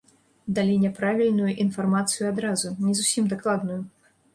Далі няправільную інфармацыю адразу, не зусім дакладную.